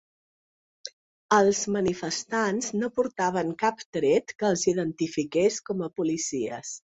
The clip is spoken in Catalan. Els manifestants no portaven cap tret que els identifiqués com a policies.